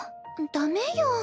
ダメよ。